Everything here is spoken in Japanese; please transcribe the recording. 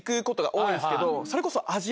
それこそ。